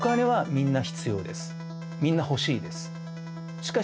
みんな欲しいです。